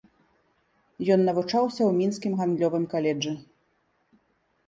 Ён навучаўся ў мінскім гандлёвым каледжы.